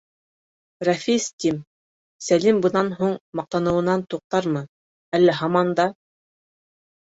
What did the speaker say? Рәфис тим, Сәлим бынан һуң маҡтаныуынан туҡтармы, әллә һаман да...